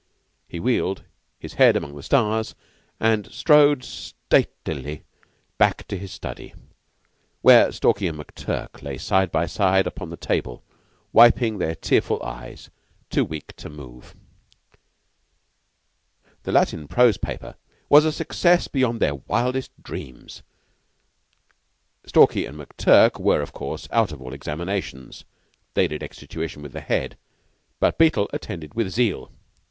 He wheeled, his head among the stars, and strode statelily back to his study, where Stalky and McTurk lay side by side upon the table wiping their tearful eyes too weak to move. The Latin prose paper was a success beyond their wildest dreams. Stalky and McTurk were, of course, out of all examinations (they did extra tuition with the Head), but Beetle attended with zeal.